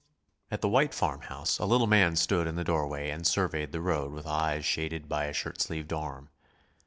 At the white farmhouse, a little man stood in the doorway and surveyed the road with eyes shaded by a shirt sleeved arm.